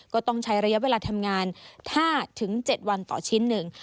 ก็ต้องใช้ระยะเวลาทำงาน๕๗วันต่อชิ้นหนึ่ง